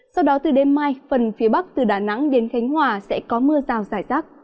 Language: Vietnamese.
sau đó từ đêm mai phần phía bắc từ đà nẵng đến khánh hòa sẽ có mưa rào rải rác